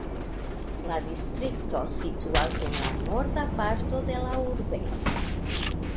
La distrikto situas en la norda parto de la urbego.